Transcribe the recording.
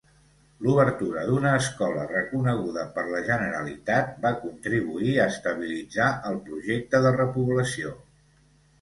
L'obertura d'una escola reconeguda per la Generalitat va contribuir a estabilitzar el projecte de repoblació.